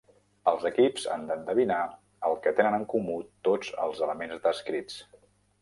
Els equips han d'endevinar el que tenen en comú tots els elements descrits.